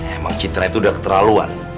emang citra itu udah keterlaluan